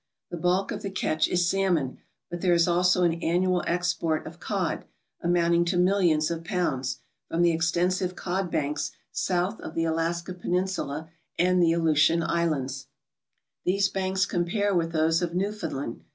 The bulk of the catch is salmon, but there is also an annual export of cod, amounting to millions of pounds, from the extensive cod banks south r of the Alaska Peninsula and the Aleutian Islands. 22 ALASKA'S GOLDEN FISHERIES These banks compare with those of Newfoundland.